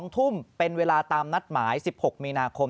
๒ทุ่มเป็นเวลาตามนัดหมาย๑๖มีนาคม